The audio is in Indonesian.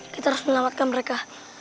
kita harus menyelamatkan mereka